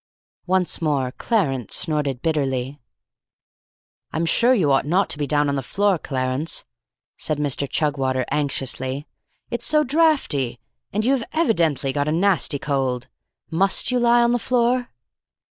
Once more Clarence snorted bitterly. "I'm sure you ought not to be down on the floor, Clarence," said Mr. Chugwater anxiously. "It is so draughty, and you have evidently got a nasty cold. Must you lie on the floor?"